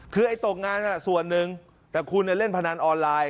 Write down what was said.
คือไอ้ตกงานส่วนหนึ่งแต่คุณเล่นพนันออนไลน์